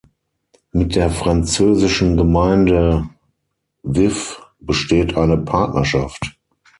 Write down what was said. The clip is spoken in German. Mit der französischen Gemeinde Vif besteht eine Partnerschaft.